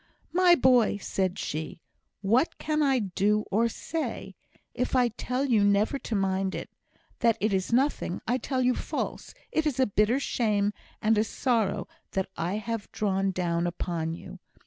"My boy!" said she, "what can I do or say? If I tell you never to mind it that it is nothing I tell you false. It is a bitter shame and a sorrow that I have drawn down upon you.